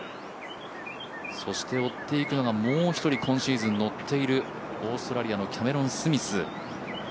そして追っていくのがもう一人今シーズン乗っているオーストラリアのキャメロン・スミス。